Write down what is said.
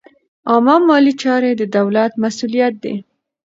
عامه مالي چارې د دولت مسوولیت دی.